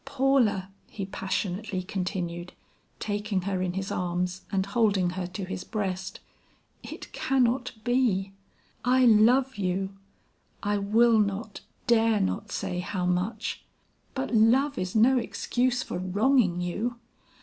Paula," he passionately continued, taking her in his arms and holding her to his breast, "it cannot be. I love you I will not, dare not say, how much but love is no excuse for wronging you.